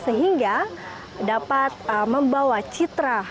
sehingga dapat membawa citra